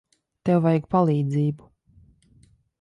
Tev vajag palīdzību.